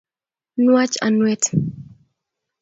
nwech anwet